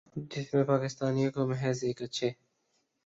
جس میں پاکستانیوں کو محض ایک اچھے